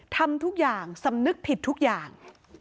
ทำทุกอย่างสำนึกผิดทุกอย่าง